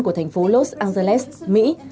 của thành phố los angeles mỹ